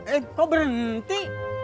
eh kok berhenti